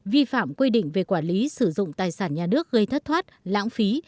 vi phạm quy định về quản lý sử dụng tài sản nhà nước gây thất thoát lãng phí